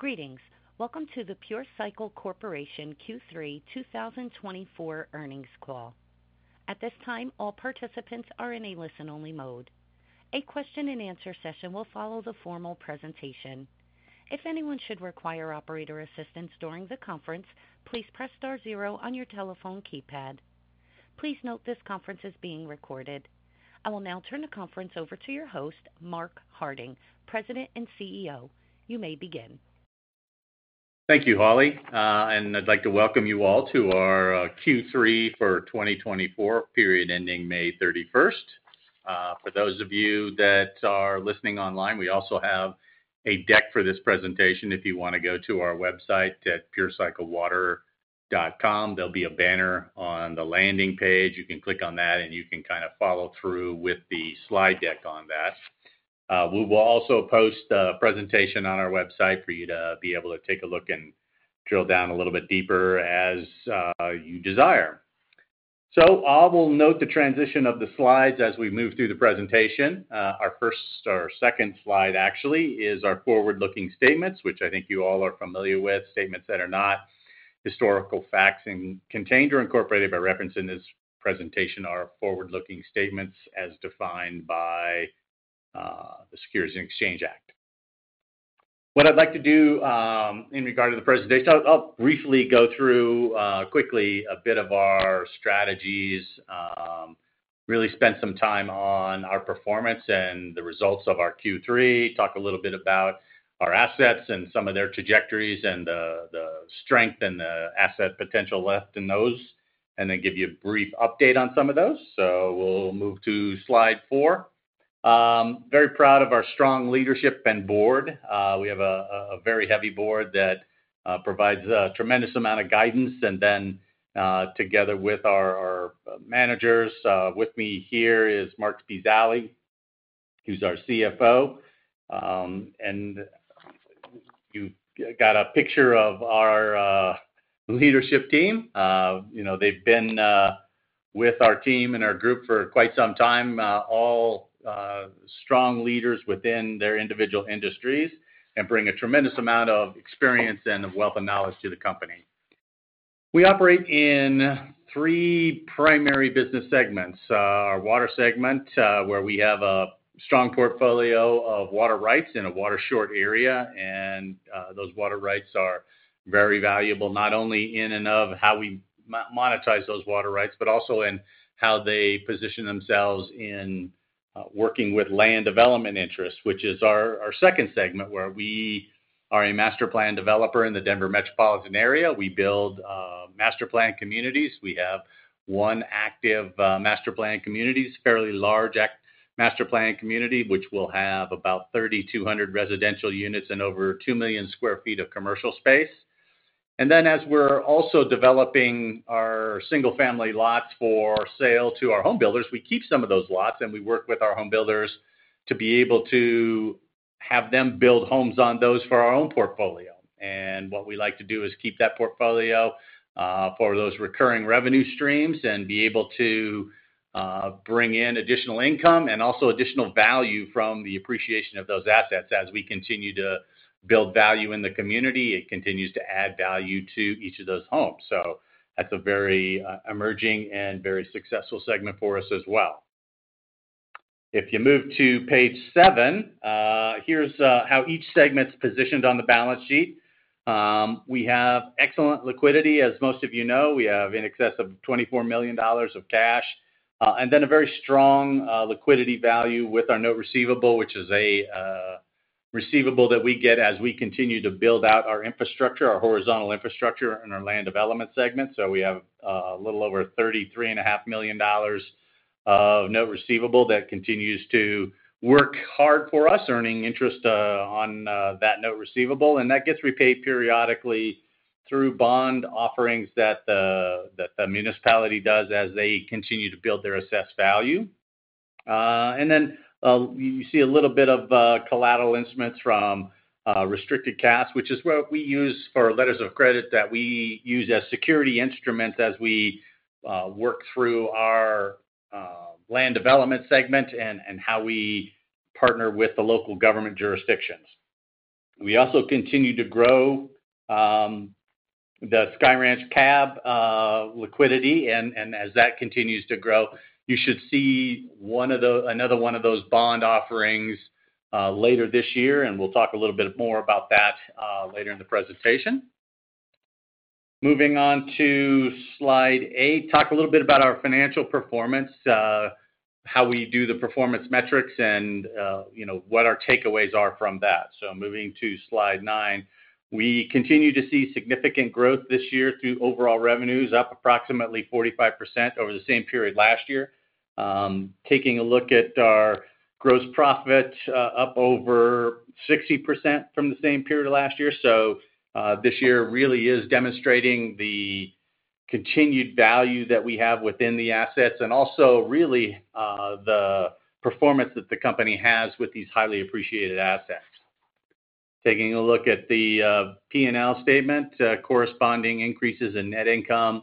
Greetings. Welcome to the Pure Cycle Corporation Q3 2024 earnings call. At this time, all participants are in a listen-only mode. A question-and-answer session will follow the formal presentation. If anyone should require operator assistance during the conference, please press star zero on your telephone keypad. Please note this conference is being recorded. I will now turn the conference over to your host, Mark Harding, President and CEO. You may begin. Thank you, Holly. I'd like to welcome you all to our Q3 for 2024, period ending May 31st. For those of you that are listening online, we also have a deck for this presentation. If you want to go to our website at purecyclewater.com, there'll be a banner on the landing page. You can click on that, and you can kind of follow through with the slide deck on that. We will also post a presentation on our website for you to be able to take a look and drill down a little bit deeper as you desire. I will note the transition of the slides as we move through the presentation. Our first or second slide, actually, is our forward-looking statements, which I think you all are familiar with. Statements that are not historical facts contained or incorporated by reference in this presentation are forward-looking statements as defined by the Securities and Exchange Act. What I'd like to do in regard to the presentation, I'll briefly go through quickly a bit of our strategies, really spend some time on our performance and the results of our Q3, talk a little bit about our assets and some of their trajectories and the strength and the asset potential left in those, and then give you a brief update on some of those. So we'll move to slide 4. Very proud of our strong leadership and board. We have a very heavy board that provides a tremendous amount of guidance. And then together with our managers, with me here is Marc Speziali, who's our CFO. And you got a picture of our leadership team. They've been with our team and our group for quite some time, all strong leaders within their individual industries and bring a tremendous amount of experience and wealth and knowledge to the company. We operate in three primary business segments: our water segment, where we have a strong portfolio of water rights in a water-short area. Those water rights are very valuable, not only in and of how we monetize those water rights, but also in how they position themselves in working with land development interests, which is our second segment, where we are a master plan developer in the Denver metropolitan area. We build master plan communities. We have one active master plan community, a fairly large master plan community, which will have about 3,200 residential units and over 2 million sq ft of commercial space. And then as we're also developing our single-family lots for sale to our home builders, we keep some of those lots, and we work with our home builders to be able to have them build homes on those for our own portfolio. And what we like to do is keep that portfolio for those recurring revenue streams and be able to bring in additional income and also additional value from the appreciation of those assets as we continue to build value in the community. It continues to add value to each of those homes. So that's a very emerging and very successful segment for us as well. If you move to page 7, here's how each segment's positioned on the balance sheet. We have excellent liquidity, as most of you know. We have in excess of $24 million of cash, and then a very strong liquidity value with our note receivable, which is a receivable that we get as we continue to build out our infrastructure, our horizontal infrastructure, and our land development segment. So we have a little over $33.5 million of note receivable that continues to work hard for us, earning interest on that note receivable. And that gets repaid periodically through bond offerings that the municipality does as they continue to build their assessed value. And then you see a little bit of collateral instruments from restricted cash, which is what we use for letters of credit that we use as security instruments as we work through our land development segment and how we partner with the local government jurisdictions. We also continue to grow the Sky Ranch CAB liquidity. As that continues to grow, you should see another one of those bond offerings later this year. We'll talk a little bit more about that later in the presentation. Moving on to slide 8, talk a little bit about our financial performance, how we do the performance metrics, and what our takeaways are from that. Moving to slide 9, we continue to see significant growth this year through overall revenues, up approximately 45% over the same period last year. Taking a look at our gross profit, up over 60% from the same period of last year. This year really is demonstrating the continued value that we have within the assets and also really the performance that the company has with these highly appreciated assets. Taking a look at the P&L statement, corresponding increases in net income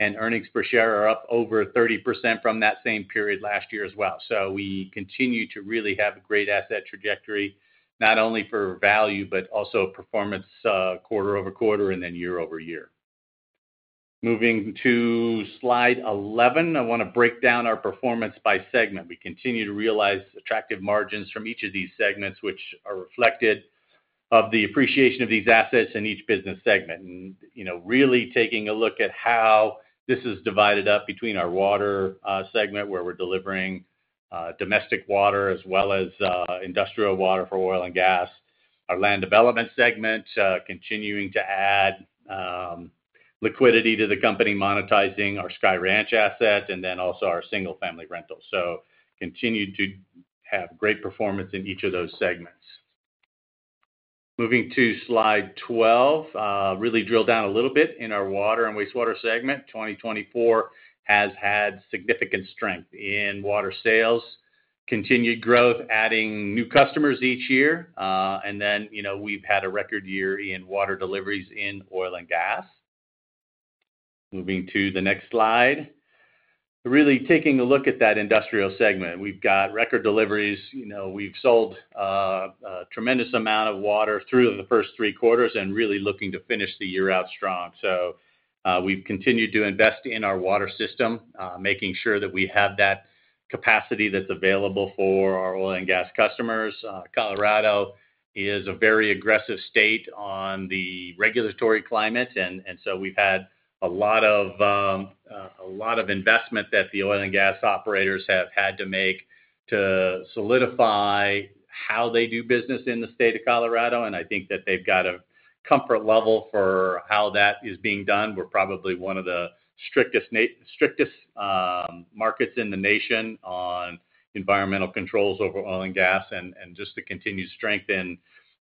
and earnings per share are up over 30% from that same period last year as well. So we continue to really have a great asset trajectory, not only for value, but also performance quarter-over-quarter and then year-over-year. Moving to slide 11, I want to break down our performance by segment. We continue to realize attractive margins from each of these segments, which are reflected in the appreciation of these assets in each business segment. And really taking a look at how this is divided up between our water segment, where we're delivering domestic water as well as industrial water for oil and gas, our land development segment continuing to add liquidity to the company, monetizing our Sky Ranch asset, and then also our single-family rentals. So continue to have great performance in each of those segments. Moving to slide 12, really drill down a little bit in our water and wastewater segment. 2024 has had significant strength in water sales, continued growth, adding new customers each year. And then we've had a record year in water deliveries in oil and gas. Moving to the next slide, really taking a look at that industrial segment. We've got record deliveries. We've sold a tremendous amount of water through the first 3 quarters and really looking to finish the year out strong. So we've continued to invest in our water system, making sure that we have that capacity that's available for our oil and gas customers. Colorado is a very aggressive state on the regulatory climate. So we've had a lot of investment that the oil and gas operators have had to make to solidify how they do business in the state of Colorado. I think that they've got a comfort level for how that is being done. We're probably one of the strictest markets in the nation on environmental controls over oil and gas. Just the continued strength in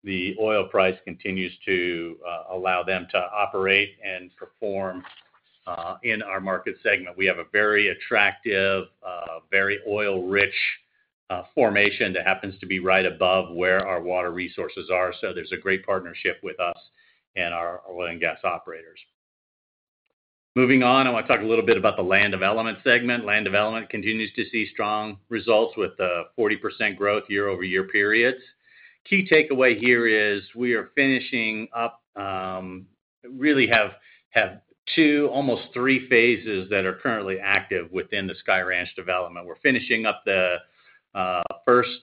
the oil price continues to allow them to operate and perform in our market segment. We have a very attractive, very oil-rich formation that happens to be right above where our water resources are. So there's a great partnership with us and our oil and gas operators. Moving on, I want to talk a little bit about the land development segment. Land development continues to see strong results with 40% growth year-over-year periods. Key takeaway here is we are finishing up, really have 2, almost 3 phases that are currently active within the Sky Ranch development. We're finishing up the first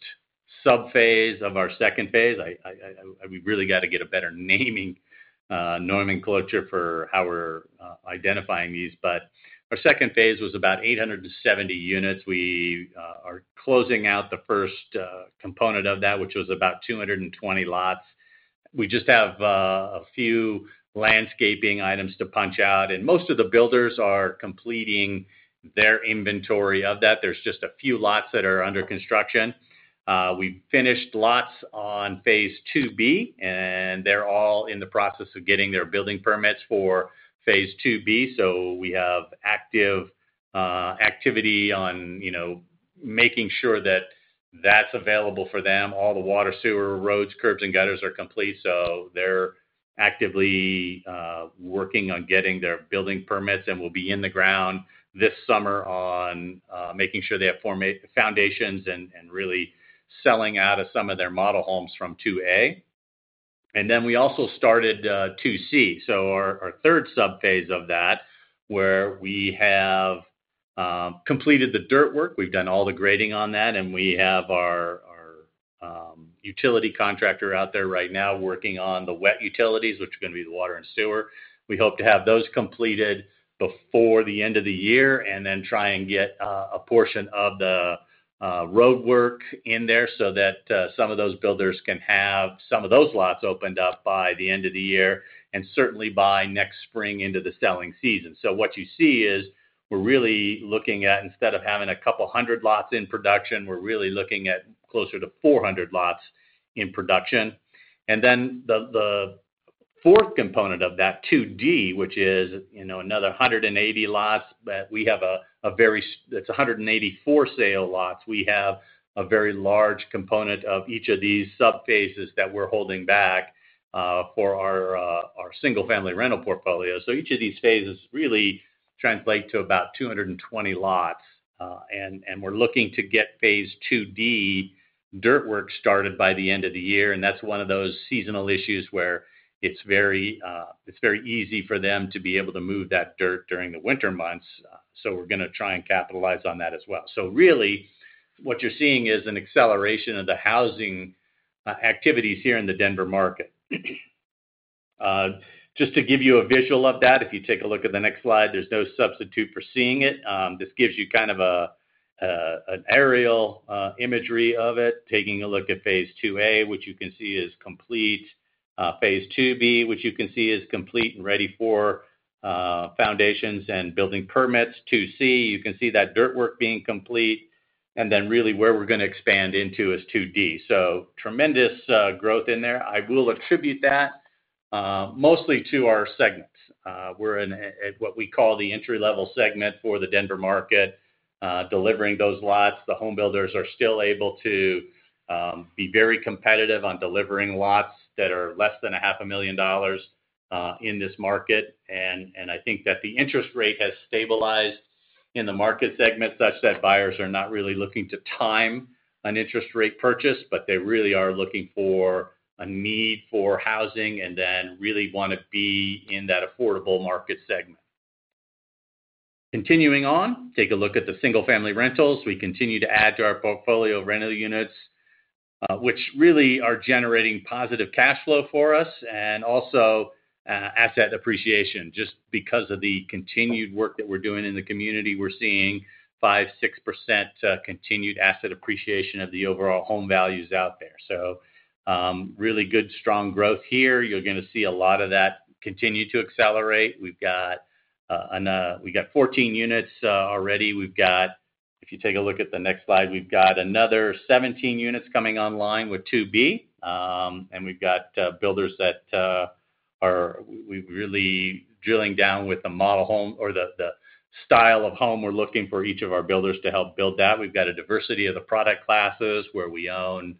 sub-phase of our second phase. We really got to get a better naming nomenclature for how we're identifying these. But our second phase was about 870 units. We are closing out the first component of that, which was about 220 lots. We just have a few landscaping items to punch out. Most of the builders are completing their inventory of that. There's just a few lots that are under construction. We finished lots on phase 2B, and they're all in the process of getting their building permits for phase 2B. We have active activity on making sure that that's available for them. All the water, sewer, roads, curbs, and gutters are complete. So they're actively working on getting their building permits and will be in the ground this summer on making sure they have foundations and really selling out of some of their model homes from 2A. And then we also started 2C. So our third sub-phase of that, where we have completed the dirt work. We've done all the grading on that. And we have our utility contractor out there right now working on the wet utilities, which are going to be the water and sewer. We hope to have those completed before the end of the year and then try and get a portion of the roadwork in there so that some of those builders can have some of those lots opened up by the end of the year and certainly by next spring into the selling season. So what you see is we're really looking at, instead of having 200 lots in production, we're really looking at closer to 400 lots in production. And then the fourth component of that 2D, which is another 180 lots, but we have a very, it's 184 sale lots. We have a very large component of each of these sub-phases that we're holding back for our single-family rental portfolio. So each of these phases really translate to about 220 lots. And we're looking to get phase 2D dirt work started by the end of the year. And that's one of those seasonal issues where it's very easy for them to be able to move that dirt during the winter months. So we're going to try and capitalize on that as well. So really, what you're seeing is an acceleration of the housing activities here in the Denver market. Just to give you a visual of that, if you take a look at the next slide, there's no substitute for seeing it. This gives you kind of an aerial imagery of it. Taking a look at phase 2A, which you can see is complete. Phase 2B, which you can see is complete and ready for foundations and building permits. 2C, you can see that dirt work being complete. And then really where we're going to expand into is 2D. So tremendous growth in there. I will attribute that mostly to our segments. We're in what we call the entry-level segment for the Denver market, delivering those lots. The home builders are still able to be very competitive on delivering lots that are less than $500,000 in this market. I think that the interest rate has stabilized in the market segment such that buyers are not really looking to time an interest rate purchase, but they really are looking for a need for housing and then really want to be in that affordable market segment. Continuing on, take a look at the single-family rentals. We continue to add to our portfolio of rental units, which really are generating positive cash flow for us and also asset appreciation. Just because of the continued work that we're doing in the community, we're seeing 5%-6% continued asset appreciation of the overall home values out there. So really good, strong growth here. You're going to see a lot of that continue to accelerate. We've got 14 units already. If you take a look at the next slide, we've got another 17 units coming online with 2B. We've got builders that are really drilling down with the model home or the style of home we're looking for each of our builders to help build that. We've got a diversity of the product classes where we own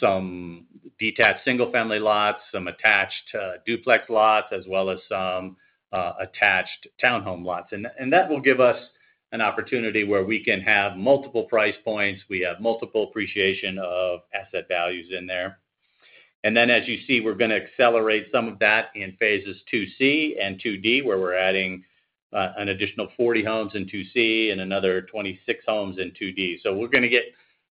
some detached single-family lots, some attached duplex lots, as well as some attached townhome lots. That will give us an opportunity where we can have multiple price points. We have multiple appreciation of asset values in there. As you see, we're going to accelerate some of that in phases 2C and 2D, where we're adding an additional 40 homes in 2C and another 26 homes in 2D. We're going to get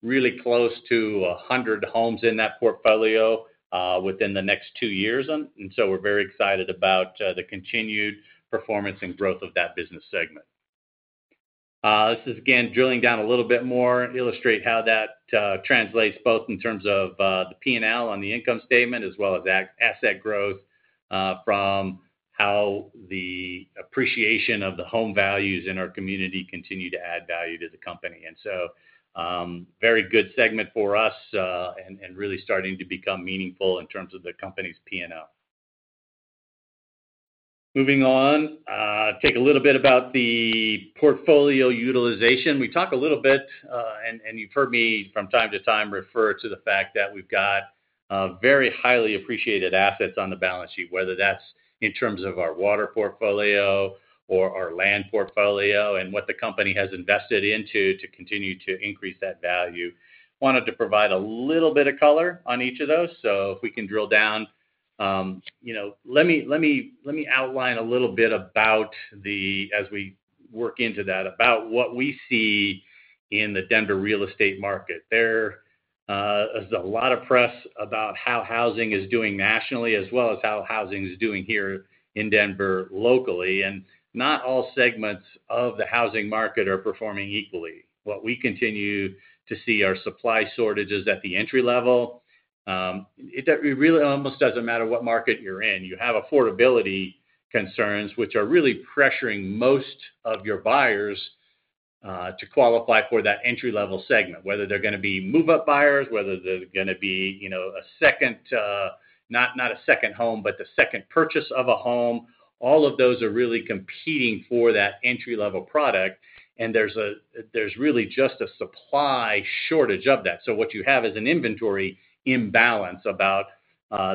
really close to 100 homes in that portfolio within the next two years. We're very excited about the continued performance and growth of that business segment. This is, again, drilling down a little bit more, illustrate how that translates both in terms of the P&L on the income statement as well as asset growth from how the appreciation of the home values in our community continue to add value to the company. And so very good segment for us and really starting to become meaningful in terms of the company's P&L. Moving on, talk a little bit about the portfolio utilization. We talk a little bit, and you've heard me from time to time refer to the fact that we've got very highly appreciated assets on the balance sheet, whether that's in terms of our water portfolio or our land portfolio and what the company has invested into to continue to increase that value. Wanted to provide a little bit of color on each of those. If we can drill down, let me outline a little bit about, as we work into that, about what we see in the Denver real estate market. There is a lot of press about how housing is doing nationally as well as how housing is doing here in Denver locally. Not all segments of the housing market are performing equally. What we continue to see are supply shortages at the entry level. It really almost doesn't matter what market you're in. You have affordability concerns, which are really pressuring most of your buyers to qualify for that entry-level segment, whether they're going to be move-up buyers, whether they're going to be a second, not a second home, but the second purchase of a home. All of those are really competing for that entry-level product. There's really just a supply shortage of that. So what you have is an inventory imbalance about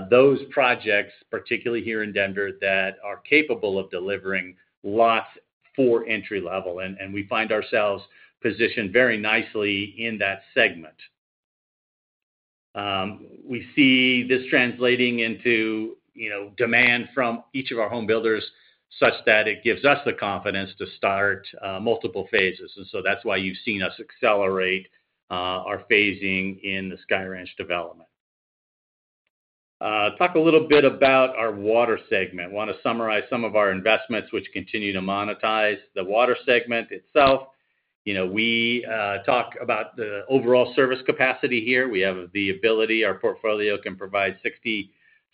those projects, particularly here in Denver, that are capable of delivering lots for entry-level. And we find ourselves positioned very nicely in that segment. We see this translating into demand from each of our home builders such that it gives us the confidence to start multiple phases. And so that's why you've seen us accelerate our phasing in the Sky Ranch development. Talk a little bit about our water segment. Want to summarize some of our investments, which continue to monetize the water segment itself. We talk about the overall service capacity here. We have the ability our portfolio can provide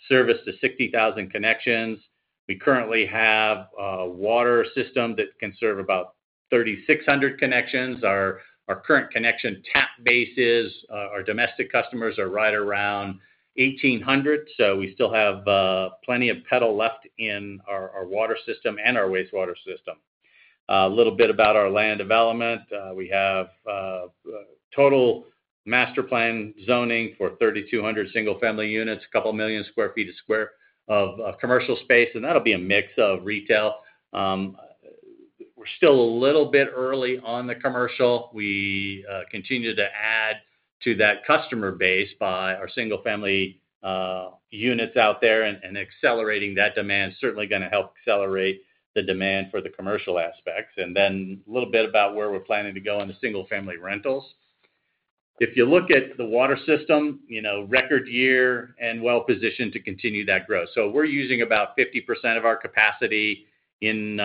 service to 60,000 connections. We currently have a water system that can serve about 3,600 connections. Our current connection tap bases, our domestic customers are right around 1,800. So we still have plenty of pedal left in our water system and our wastewater system. A little bit about our land development. We have total master plan zoning for 3,200 single-family units, 2 million sq ft of commercial space. That'll be a mix of retail. We're still a little bit early on the commercial. We continue to add to that customer base by our single-family units out there and accelerating that demand. Certainly going to help accelerate the demand for the commercial aspects. Then a little bit about where we're planning to go in the single-family rentals. If you look at the water system, record year and well-positioned to continue that growth. So we're using about 50% of our capacity in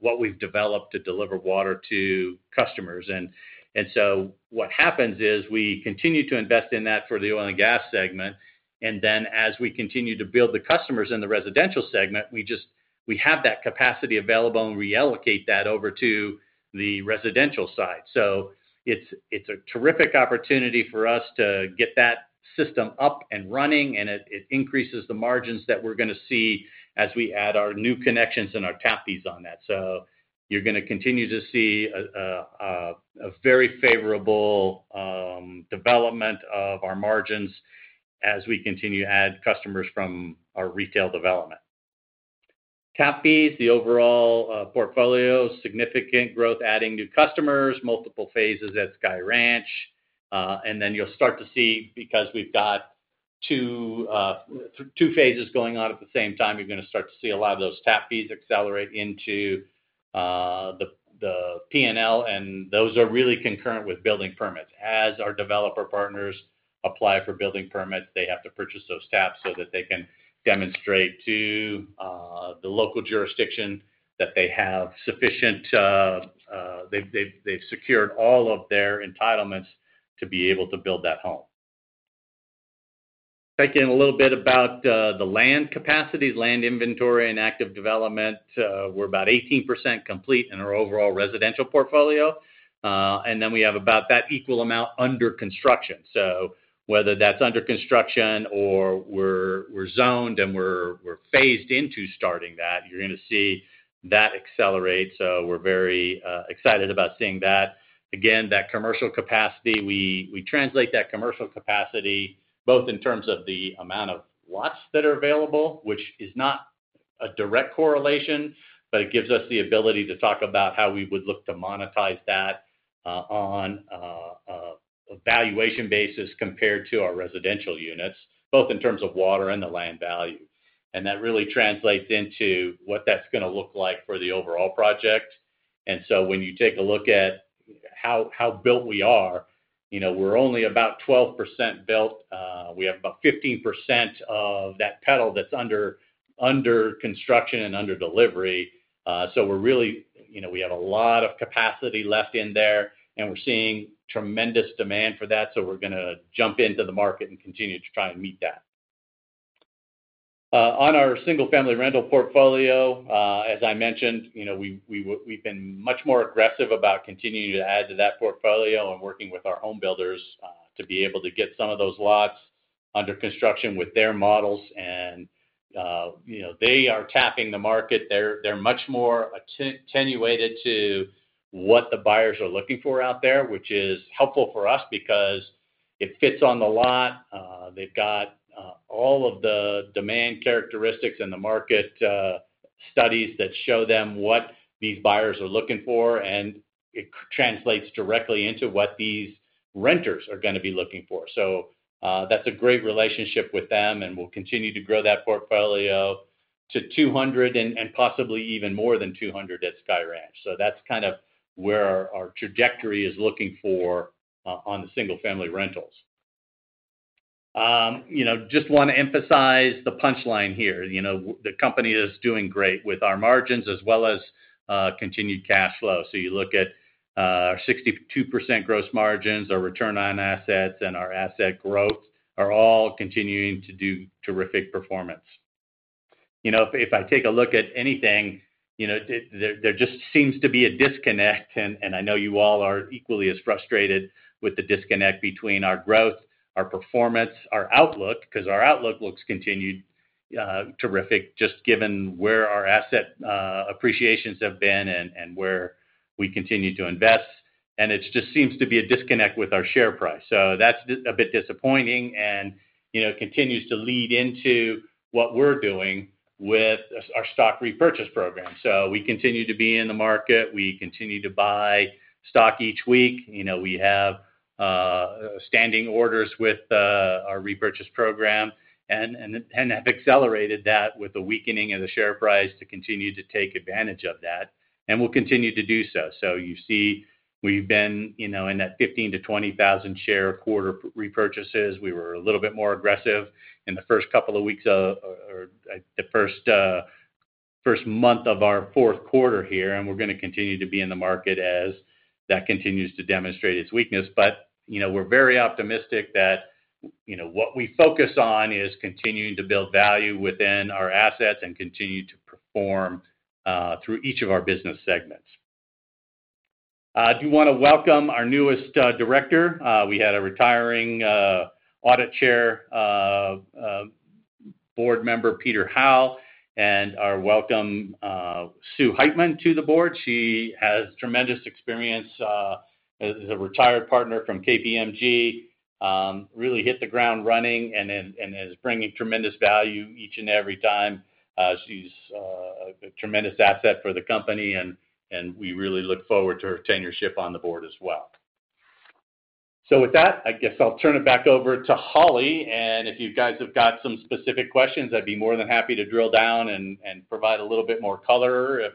what we've developed to deliver water to customers. And so what happens is we continue to invest in that for the oil and gas segment. And then as we continue to build the customers in the residential segment, we have that capacity available and reallocate that over to the residential side. So it's a terrific opportunity for us to get that system up and running. And it increases the margins that we're going to see as we add our new connections and our tap fees on that. So you're going to continue to see a very favorable development of our margins as we continue to add customers from our retail development. Tap fees, the overall portfolio, significant growth, adding new customers, multiple phases at Sky Ranch. And then you'll start to see, because we've got two phases going on at the same time, you're going to start to see a lot of those tap fees accelerate into the P&L. And those are really concurrent with building permits. As our developer partners apply for building permits, they have to purchase those taps so that they can demonstrate to the local jurisdiction that they have sufficient—they've secured all of their entitlements to be able to build that home. Talking a little bit about the land capacity, land inventory and active development, we're about 18% complete in our overall residential portfolio. And then we have about that equal amount under construction. So whether that's under construction or we're zoned and we're phased into starting that, you're going to see that accelerate. So we're very excited about seeing that. Again, that commercial capacity, we translate that commercial capacity both in terms of the amount of lots that are available, which is not a direct correlation, but it gives us the ability to talk about how we would look to monetize that on a valuation basis compared to our residential units, both in terms of water and the land value. And that really translates into what that's going to look like for the overall project. And so when you take a look at how built we are, we're only about 12% built. We have about 15% of that parcel that's under construction and under delivery. So we're really. We have a lot of capacity left in there. And we're seeing tremendous demand for that. So we're going to jump into the market and continue to try and meet that. On our single-family rental portfolio, as I mentioned, we've been much more aggressive about continuing to add to that portfolio and working with our home builders to be able to get some of those lots under construction with their models. They are tapping the market. They're much more attuned to what the buyers are looking for out there, which is helpful for us because it fits on the lot. They've got all of the demand characteristics and the market studies that show them what these buyers are looking for. It translates directly into what these renters are going to be looking for. That's a great relationship with them. We'll continue to grow that portfolio to 200 and possibly even more than 200 at Sky Ranch. That's kind of where our trajectory is looking for on the single-family rentals. Just want to emphasize the punchline here. The company is doing great with our margins as well as continued cash flow. You look at our 62% gross margins, our return on assets, and our asset growth are all continuing to do terrific performance. If I take a look at anything, there just seems to be a disconnect. I know you all are equally as frustrated with the disconnect between our growth, our performance, our outlook, because our outlook looks continued terrific just given where our asset appreciations have been and where we continue to invest. It just seems to be a disconnect with our share price. That's a bit disappointing and continues to lead into what we're doing with our stock repurchase program. We continue to be in the market. We continue to buy stock each week. We have standing orders with our repurchase program and have accelerated that with the weakening of the share price to continue to take advantage of that. We'll continue to do so. You see we've been in that 15,000-20,000 share quarter repurchases. We were a little bit more aggressive in the first couple of weeks or the first month of our fourth quarter here. We're going to continue to be in the market as that continues to demonstrate its weakness. But we're very optimistic that what we focus on is continuing to build value within our assets and continue to perform through each of our business segments. I do want to welcome our newest director. We had a retiring audit chair board member, Peter Howell, and welcome Sue Heitmann to the board. She has tremendous experience as a retired partner from KPMG, really hit the ground running and is bringing tremendous value each and every time. She's a tremendous asset for the company. And we really look forward to her tenureship on the board as well. So with that, I guess I'll turn it back over to Holly. And if you guys have got some specific questions, I'd be more than happy to drill down and provide a little bit more color if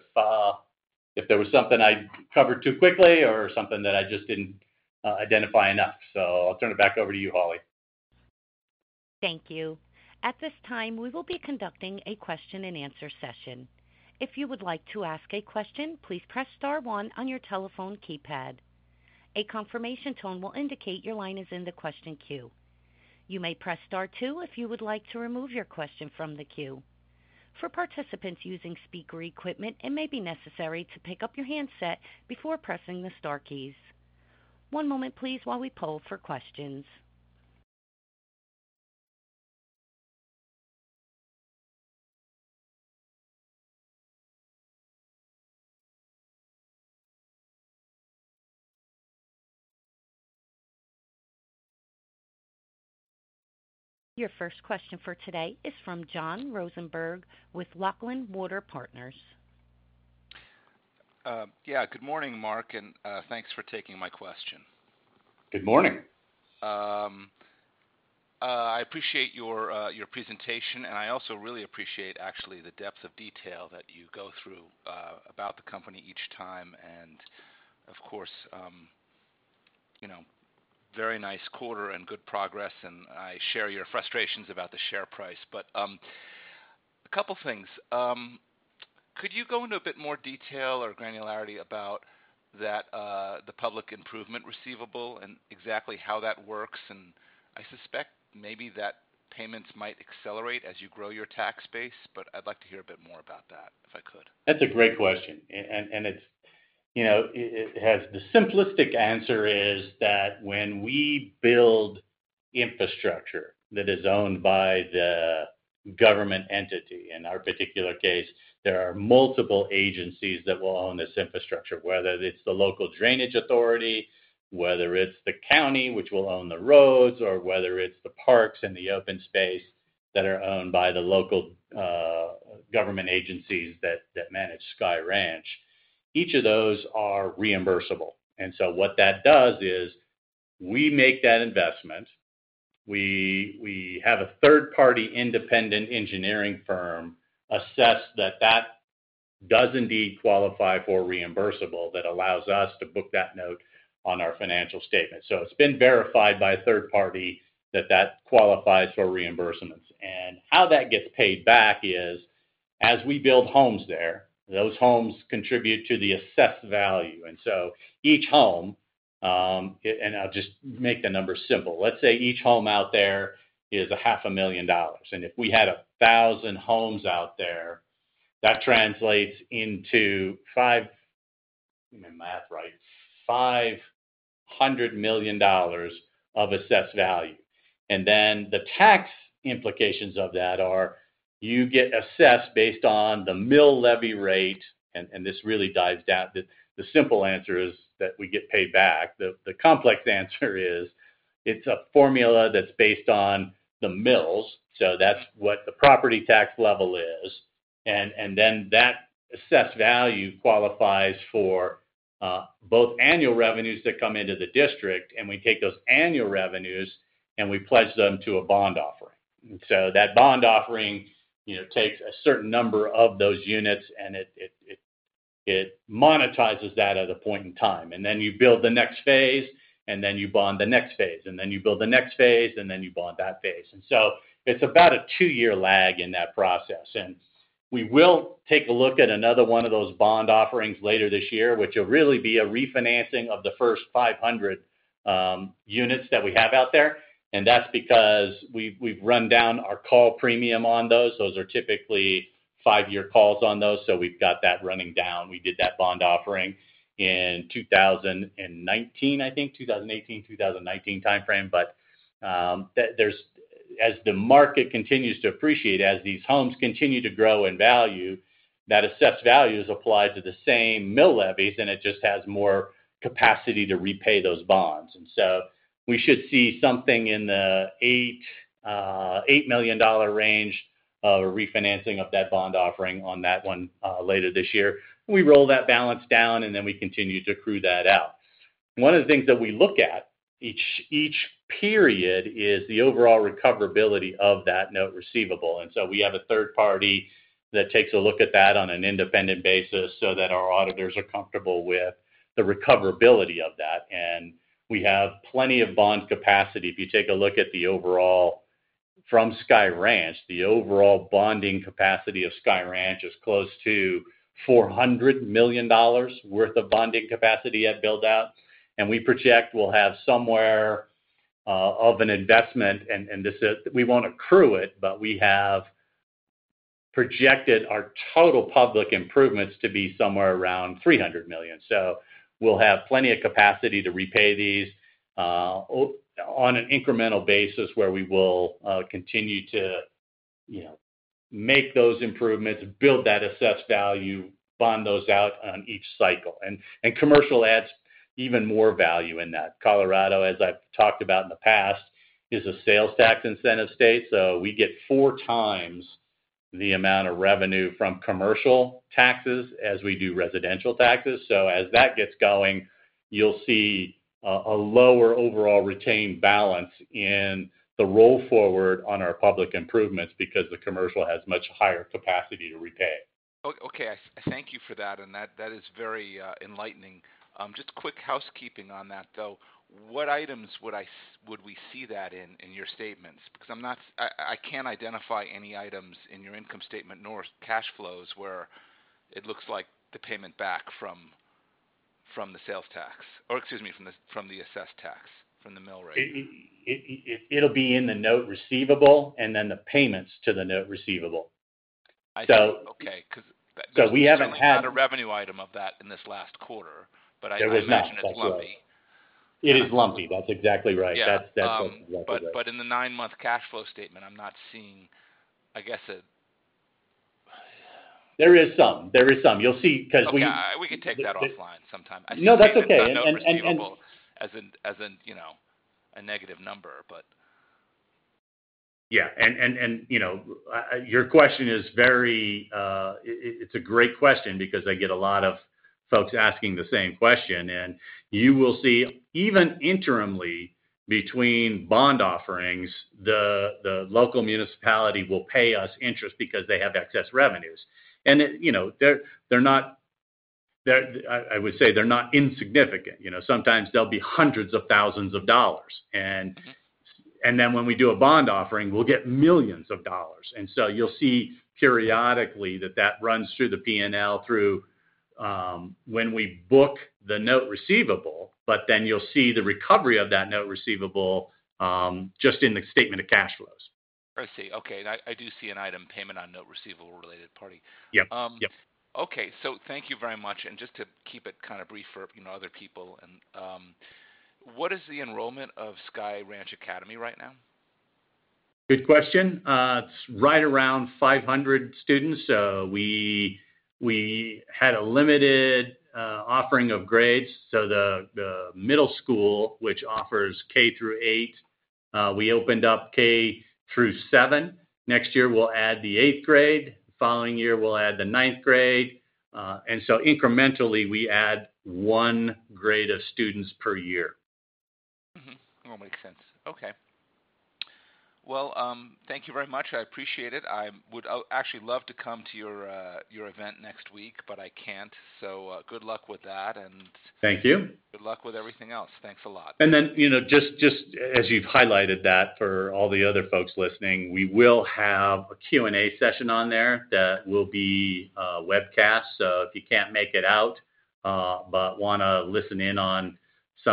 there was something I covered too quickly or something that I just didn't identify enough. So I'll turn it back over to you, Holly. Thank you. At this time, we will be conducting a question-and-answer session. If you would like to ask a question, please press star one on your telephone keypad. A confirmation tone will indicate your line is in the question queue. You may press star two if you would like to remove your question from the queue. For participants using speaker equipment, it may be necessary to pick up your handset before pressing the star keys. One moment, please, while we poll for questions. Your first question for today is from John Rosenberg with Laughlin Water Partners. Yeah. Good morning, Mark. And thanks for taking my question. Good morning. I appreciate your presentation. And I also really appreciate, actually, the depth of detail that you go through about the company each time. And of course, very nice quarter and good progress. And I share your frustrations about the share price. But a couple of things. Could you go into a bit more detail or granularity about the public improvement receivable and exactly how that works? And I suspect maybe that payments might accelerate as you grow your tax base. But I'd like to hear a bit more about that if I could. That's a great question. And it has the simplistic answer is that when we build infrastructure that is owned by the government entity, in our particular case, there are multiple agencies that will own this infrastructure, whether it's the local drainage authority, whether it's the county, which will own the roads, or whether it's the parks and the open space that are owned by the local government agencies that manage Sky Ranch. Each of those are reimbursable. And so what that does is we make that investment. We have a third-party independent engineering firm assess that that does indeed qualify for reimbursable that allows us to book that note on our financial statement. So it's been verified by a third party that that qualifies for reimbursements. How that gets paid back is as we build homes there, those homes contribute to the assessed value. And so each home—and I'll just make the number simple—let's say each home out there is $500,000. And if we had 1,000 homes out there, that translates into—let me math right—$500 million of assessed value. And then the tax implications of that are you get assessed based on the mill levy rate. And this really dives down. The simple answer is that we get paid back. The complex answer is it's a formula that's based on the mills. So that's what the property tax level is. And then that assessed value qualifies for both annual revenues that come into the district. And we take those annual revenues and we pledge them to a bond offering. And so that bond offering takes a certain number of those units. It monetizes that at a point in time. Then you build the next phase. Then you bond the next phase. Then you build the next phase. Then you bond that phase. So it's about a 2-year lag in that process. We will take a look at another one of those bond offerings later this year, which will really be a refinancing of the first 500 units that we have out there. That's because we've run down our call premium on those. Those are typically 5-year calls on those. So we've got that running down. We did that bond offering in 2019, I think, 2018, 2019 timeframe. But as the market continues to appreciate, as these homes continue to grow in value, that assessed value is applied to the same mill levies. It just has more capacity to repay those bonds. And so we should see something in the $8 million range of refinancing of that bond offering on that one later this year. We roll that balance down. And then we continue to crew that out. One of the things that we look at each period is the overall recoverability of that note receivable. And so we have a third party that takes a look at that on an independent basis so that our auditors are comfortable with the recoverability of that. And we have plenty of bond capacity. If you take a look at the overall from Sky Ranch, the overall bonding capacity of Sky Ranch is close to $400 million worth of bonding capacity at build-out. And we project we'll have somewhere of an investment. And we won't accrue it, but we have projected our total public improvements to be somewhere around $300 million. So we'll have plenty of capacity to repay these on an incremental basis where we will continue to make those improvements, build that assessed value, bond those out on each cycle. And commercial adds even more value in that. Colorado, as I've talked about in the past, is a sales tax incentive state. So we get four times the amount of revenue from commercial taxes as we do residential taxes. So as that gets going, you'll see a lower overall retained balance in the roll forward on our public improvements because the commercial has much higher capacity to repay. Okay. Thank you for that. And that is very enlightening. Just quick housekeeping on that, though. What items would we see that in your statements? Because I can't identify any items in your income statement nor cash flows where it looks like the payment back from the sales tax or, excuse me, from the assessed tax, from the mill rate. It'll be in the note receivable and then the payments to the note receivable. So we haven't had. So it's not a revenue item of that in this last quarter. But I thought you mentioned it's lumpy. It is lumpy. That's exactly right. That's exactly right. But in the nine-month cash flow statement, I'm not seeing, I guess. There is some. There is some. You'll see because we. We can take that offline sometime. I see some cash flow. No, that's okay. As a negative number, but. Yeah. And your question is very, it's a great question because I get a lot of folks asking the same question. You will see even interimly between bond offerings, the local municipality will pay us interest because they have excess revenues. I would say they're not insignificant. Sometimes they'll be $hundreds of thousands. Then when we do a bond offering, we'll get $millions. So you'll see periodically that that runs through the P&L through when we book the note receivable. But then you'll see the recovery of that note receivable just in the statement of cash flows. I see. Okay. I do see an item payment on note receivable related party. Yep. Yep. Okay. So thank you very much. Just to keep it kind of brief for other people, what is the enrollment of Sky Ranch Academy right now? Good question. It's right around 500 students. So we had a limited offering of grades. So the middle school, which offers K through 8, we opened up K through 7. Next year, we'll add the 8th grade. The following year, we'll add the 9th grade. And so incrementally, we add one grade of students per year. All makes sense. Okay. Well, thank you very much. I appreciate it. I would actually love to come to your event next week, but I can't. So good luck with that. And. Thank you. Good luck with everything else. Thanks a lot. And then just as you've highlighted that for all the other folks listening, we will have a Q&A session on there that will be webcast. So if you can't make it out but want to listen in on some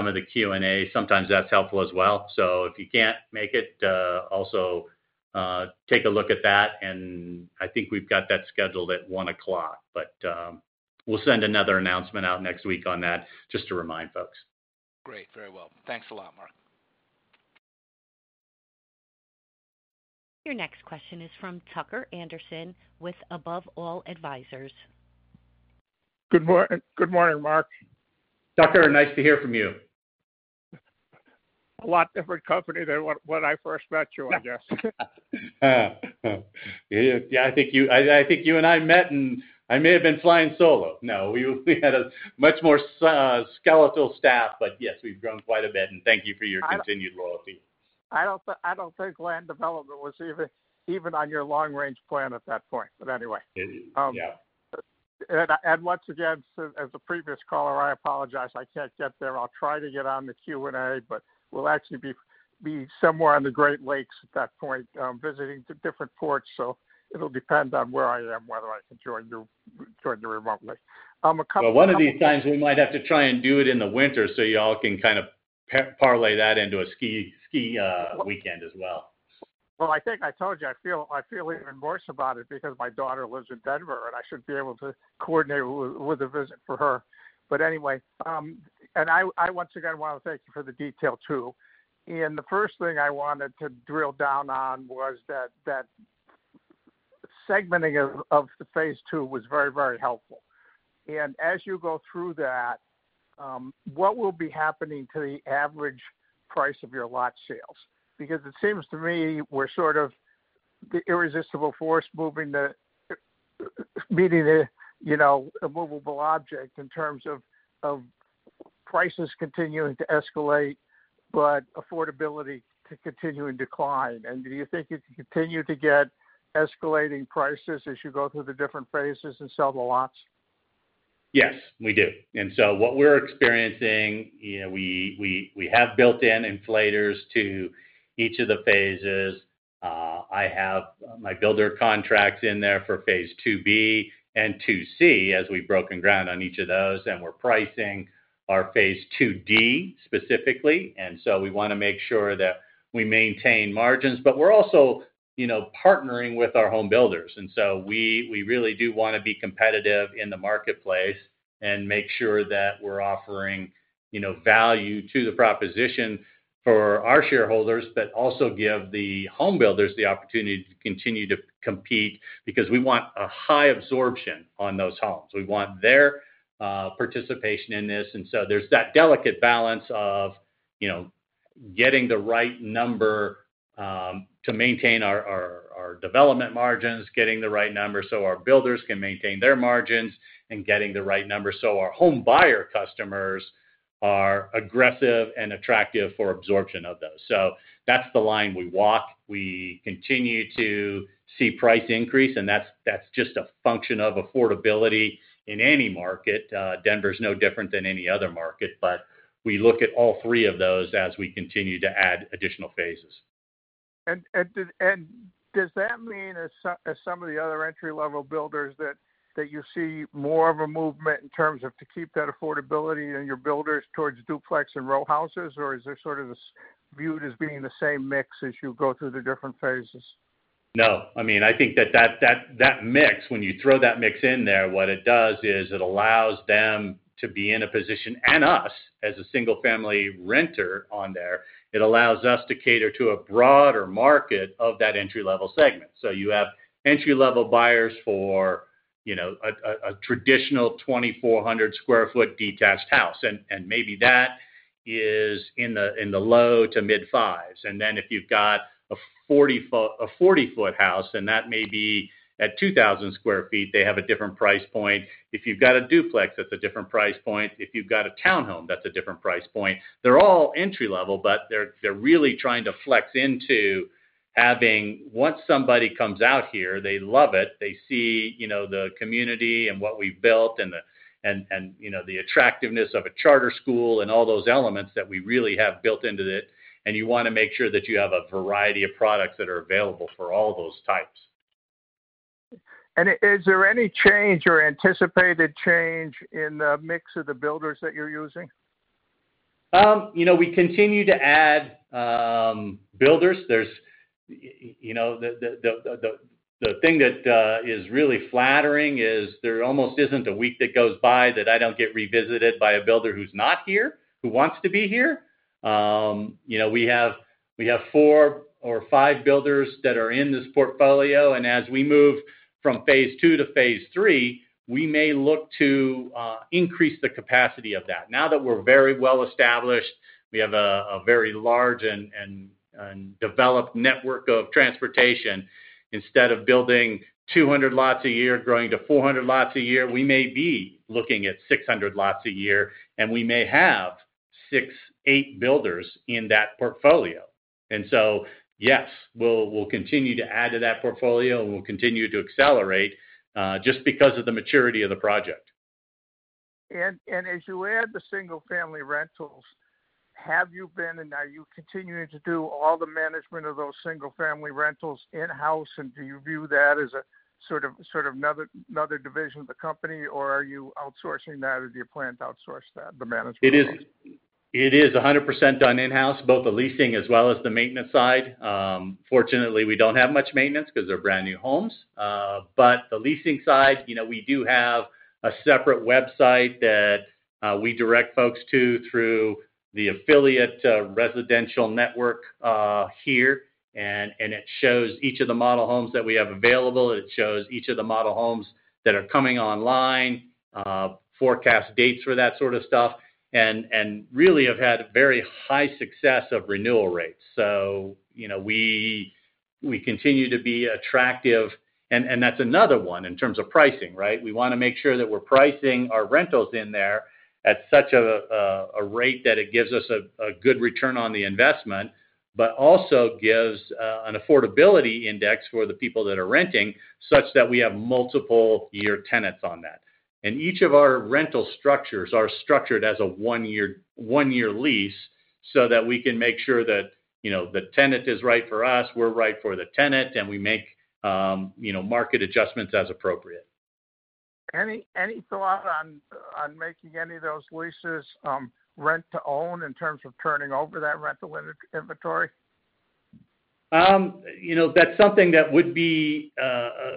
of the Q&A, sometimes that's helpful as well. So if you can't make it, also take a look at that. I think we've got that scheduled at 1:00 P.M. But we'll send another announcement out next week on that just to remind folks. Great. Very well. Thanks a lot, Mark. Your next question is from Tucker Andersen with Above All Advisors. Good morning, Mark. Tucker, nice to hear from you. A lot different company than when I first met you, I guess. Yeah. I think you and I met, and I may have been flying solo. No, we had a much more skeletal staff. But yes, we've grown quite a bit. And thank you for your continued loyalty. I don't think land development was even on your long-range plan at that point. But anyway. And once again, as a previous caller, I apologize. I can't get there. I'll try to get on the Q&A, but we'll actually be somewhere on the Great Lakes at that point visiting different ports. So it'll depend on where I am, whether I can join you remotely. Wel one of these times, we might have to try and do it in the winter so y'all can kind of parlay that into a ski weekend as well. Well, I think I told you I feel even worse about it because my daughter lives in Denver, and I should be able to coordinate with a visit for her. But anyway. I once again want to thank you for the detail too. The first thing I wanted to drill down on was that segmenting of the phase two was very, very helpful. As you go through that, what will be happening to the average price of your lot sales? Because it seems to me we're sort of the irresistible force meeting the immovable object in terms of prices continuing to escalate, but affordability continuing to decline. And do you think you can continue to get escalating prices as you go through the different phases and sell the lots? Yes, we do. And so what we're experiencing, we have built-in inflators to each of the phases. I have my builder contracts in there for phase 2B and 2C as we've broken ground on each of those. And we're pricing our phase 2D specifically. And so we want to make sure that we maintain margins. But we're also partnering with our home builders. We really do want to be competitive in the marketplace and make sure that we're offering value to the proposition for our shareholders, but also give the home builders the opportunity to continue to compete because we want a high absorption on those homes. We want their participation in this. There's that delicate balance of getting the right number to maintain our development margins, getting the right number so our builders can maintain their margins, and getting the right number so our home buyer customers are aggressive and attractive for absorption of those. That's the line we walk. We continue to see price increase. That's just a function of affordability in any market. Denver's no different than any other market. We look at all three of those as we continue to add additional phases. And does that mean as some of the other entry-level builders that you see more of a movement in terms of to keep that affordability in your builders towards duplex and row houses, or is there sort of viewed as being the same mix as you go through the different phases? No. I mean, I think that that mix, when you throw that mix in there, what it does is it allows them to be in a position and us as a single-family renter on there. It allows us to cater to a broader market of that entry-level segment. So you have entry-level buyers for a traditional 2,400 sq ft detached house. And maybe that is in the low to mid-fives. And then if you've got a 40-foot house, then that may be at 2,000 sq ft. They have a different price point. If you've got a duplex, that's a different price point. If you've got a townhome, that's a different price point. They're all entry-level, but they're really trying to flex into having once somebody comes out here, they love it. They see the community and what we've built and the attractiveness of a charter school and all those elements that we really have built into it. And you want to make sure that you have a variety of products that are available for all those types. And is there any change or anticipated change in the mix of the builders that you're using? We continue to add builders. The thing that is really flattering is there almost isn't a week that goes by that I don't get revisited by a builder who's not here, who wants to be here. We have four or five builders that are in this portfolio. As we move from phase two to phase three, we may look to increase the capacity of that. Now that we're very well established, we have a very large and developed network of transportation. Instead of building 200 lots a year, growing to 400 lots a year, we may be looking at 600 lots a year. We may have six, eight builders in that portfolio. So yes, we'll continue to add to that portfolio, and we'll continue to accelerate just because of the maturity of the project. As you add the single-family rentals, have you been and are you continuing to do all the management of those single-family rentals in-house? Do you view that as sort of another division of the company, or are you outsourcing that, or do you plan to outsource the management? It is 100% done in-house, both the leasing as well as the maintenance side. Fortunately, we don't have much maintenance because they're brand new homes. But the leasing side, we do have a separate website that we direct folks to through the affiliate residential network here. And it shows each of the model homes that we have available. It shows each of the model homes that are coming online, forecast dates for that sort of stuff, and really have had very high success of renewal rates. So we continue to be attractive. And that's another one in terms of pricing, right? We want to make sure that we're pricing our rentals in there at such a rate that it gives us a good return on the investment, but also gives an affordability index for the people that are renting such that we have multiple-year tenants on that. Each of our rental structures are structured as a one-year lease so that we can make sure that the tenant is right for us, we're right for the tenant, and we make market adjustments as appropriate. Any thought on making any of those leases rent-to-own in terms of turning over that rental inventory? That's something that would be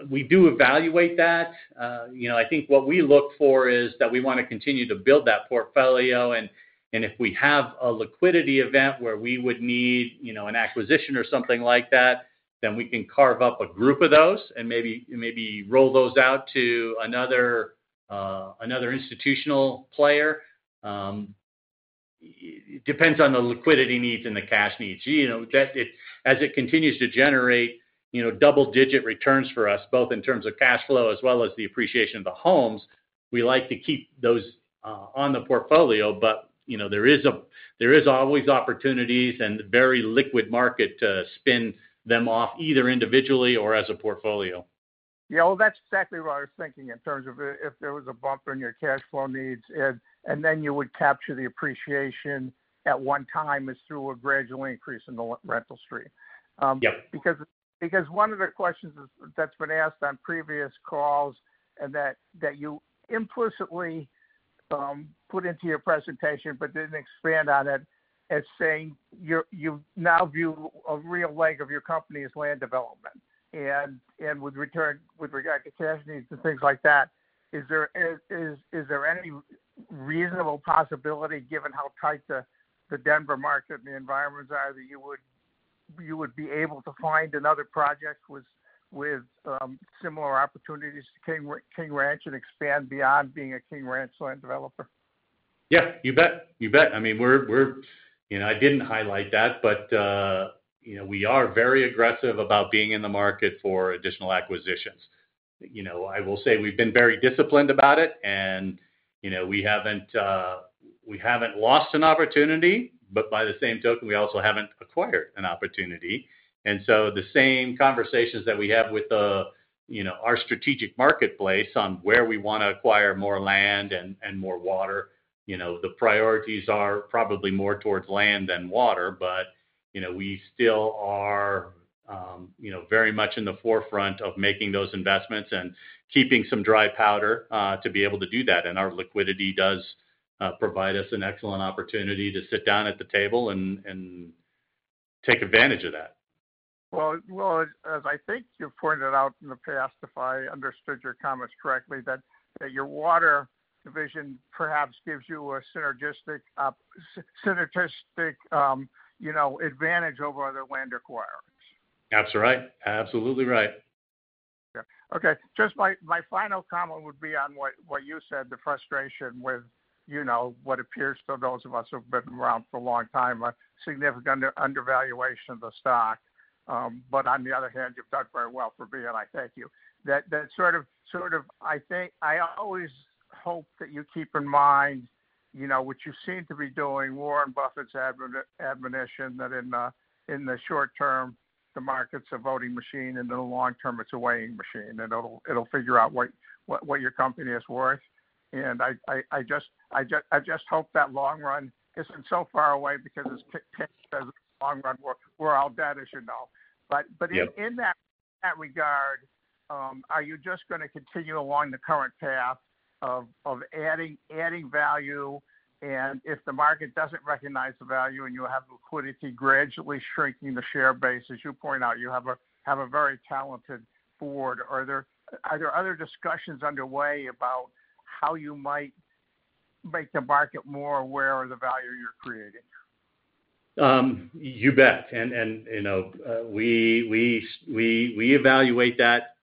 we do evaluate that. I think what we look for is that we want to continue to build that portfolio. And if we have a liquidity event where we would need an acquisition or something like that, then we can carve up a group of those and maybe roll those out to another institutional player. It depends on the liquidity needs and the cash needs. As it continues to generate double-digit returns for us, both in terms of cash flow as well as the appreciation of the homes, we like to keep those on the portfolio. But there is always opportunities and very liquid market to spin them off either individually or as a portfolio. Yeah. Well, that's exactly what I was thinking in terms of if there was a bump in your cash flow needs, and then you would capture the appreciation at one time is through a gradual increase in the rental stream. Because one of the questions that's been asked on previous calls and that you implicitly put into your presentation, but didn't expand on it, is saying you now view a real leg of your company as land development. With regard to cash needs and things like that, is there any reasonable possibility given how tight the Denver market and the environments are that you would be able to find another project with similar opportunities to Sky Ranch and expand beyond being a Sky Ranch land developer? Yeah. You bet. You bet. I mean, I didn't highlight that, but we are very aggressive about being in the market for additional acquisitions. I will say we've been very disciplined about it, and we haven't lost an opportunity. But by the same token, we also haven't acquired an opportunity. And so the same conversations that we have with our strategic marketplace on where we want to acquire more land and more water, the priorities are probably more towards land than water. But we still are very much in the forefront of making those investments and keeping some dry powder to be able to do that. And our liquidity does provide us an excellent opportunity to sit down at the table and take advantage of that. Well, as I think you've pointed out in the past, if I understood your comments correctly, that your water division perhaps gives you a synergistic advantage over other land acquirers. That's right. Absolutely right. Okay. Just my final comment would be on what you said, the frustration with what appears to those of us who have been around for a long time, a significant undervaluation of the stock. But on the other hand, you've done very well for BNI. Thank you. That sort of, I always hope that you keep in mind what you seem to be doing, Warren Buffett's admonition that in the short term, the market's a voting machine. And in the long term, it's a weighing machine. And it'll figure out what your company is worth. And I just hope that long run isn't so far away because in the long run, we're all dead, you know. But in that regard, are you just going to continue along the current path of adding value? And if the market doesn't recognize the value and you have liquidity gradually shrinking the share base, as you point out, you have a very talented board. Are there other discussions underway about how you might make the market more aware of the value you're creating? You bet. And we evaluate that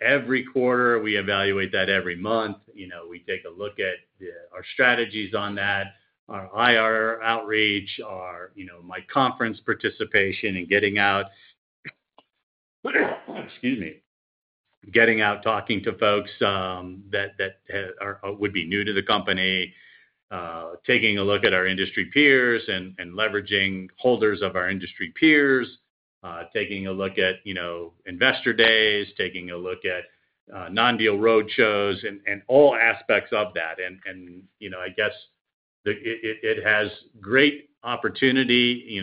every quarter. We evaluate that every month. We take a look at our strategies on that, our IR outreach, my conference participation, and getting out, excuse me, getting out talking to folks that would be new to the company, taking a look at our industry peers and leveraging holders of our industry peers, taking a look at investor days, taking a look at non-deal road shows, and all aspects of that. And I guess it has great opportunity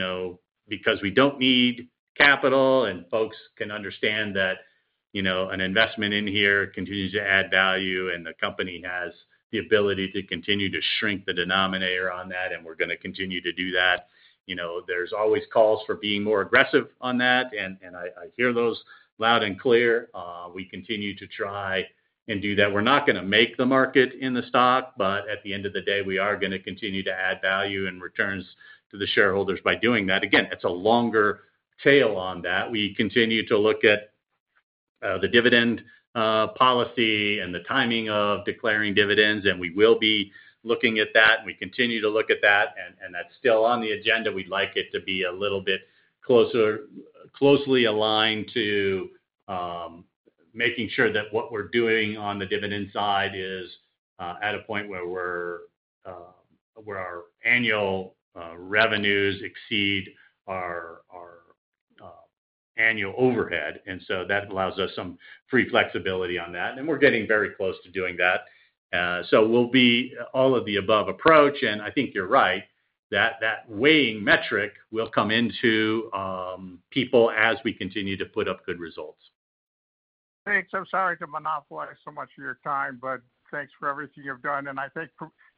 because we don't need capital, and folks can understand that an investment in here continues to add value, and the company has the ability to continue to shrink the denominator on that, and we're going to continue to do that. There's always calls for being more aggressive on that, and I hear those loud and clear. We continue to try and do that. We're not going to make the market in the stock, but at the end of the day, we are going to continue to add value and returns to the shareholders by doing that. Again, it's a longer tail on that. We continue to look at the dividend policy and the timing of declaring dividends, and we will be looking at that. We continue to look at that, and that's still on the agenda. We'd like it to be a little bit closely aligned to making sure that what we're doing on the dividend side is at a point where our annual revenues exceed our annual overhead. And so that allows us some free flexibility on that. And we're getting very close to doing that. So we'll be all of the above approach. I think you're right that that weighing metric will come into play as we continue to put up good results. Thanks. I'm sorry to monopolize so much of your time, but thanks for everything you've done. I think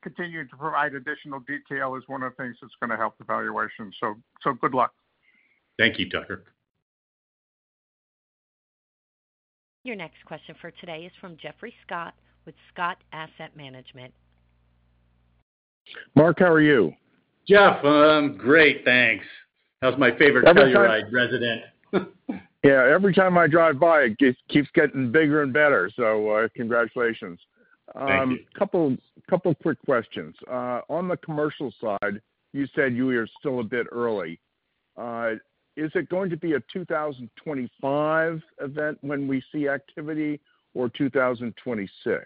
continuing to provide additional detail is one of the things that's going to help the valuation. So good luck. Thank you, Tucker. Your next question for today is from Geoffrey Scott with Scott Asset Management. Mark, how are you? Jeff, I'm great. Thanks. That was my favorite Sky Ranch resident. Yeah. Every time I drive by, it keeps getting bigger and better. So congratulations. Thank you. A couple of quick questions. On the commercial side, you said you are still a bit early. Is it going to be a 2025 event when we see activity or 2026?